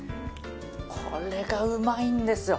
これがうまいんですよ。